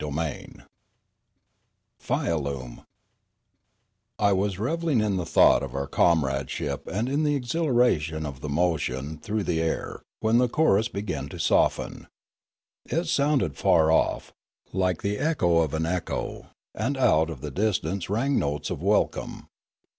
CHAPTER VI FIALUMK I WAS revelling in the thought of our comradeship and in the exhilaration of the motion through the air, when the chorus began to soften. It sounded far off, like the echo of an echo, and out of the distance rang notes of welcome.